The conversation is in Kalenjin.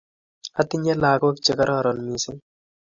Atinye lagok che kororon missing'